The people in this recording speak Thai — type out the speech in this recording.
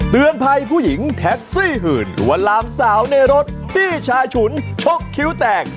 เตือนภัยผู้หญิงแท็กซี่หื่นลวนลามสาวในรถพี่ชายฉุนชกคิ้วแตก